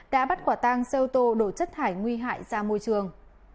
đã bắt quả tang xe ô tô đổ chất thải nguy hại ra môi trường